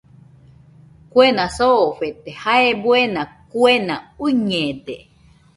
Kuena soofete jae buena kuena uiñede